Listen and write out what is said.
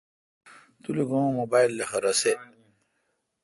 تو لو کہ اں موبایل لخہ رسے۔